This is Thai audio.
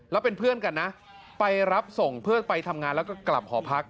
แล้วเป็นเพื่อนกันนะไปรับส่งเพื่อนไปทำงานแล้วก็กลับหอพัก